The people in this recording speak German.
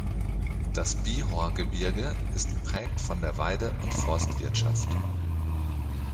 Das Bihor-Gebirge ist geprägt von der Weide- und Forstwirtschaft.